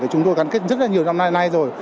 thì chúng tôi cắn kết rất nhiều năm nay rồi